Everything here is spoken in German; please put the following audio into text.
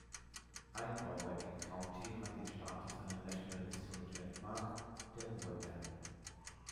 Ein Bauwerk im County hat den Status einer National Historic Landmark, der Hoover Dam.